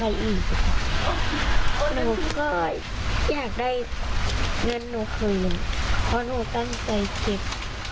อยากทำอีกเลยพี่ต้องสารเด็ก